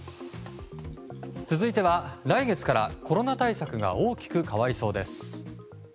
続いては来月からコロナ対策が大きく変わりそうです。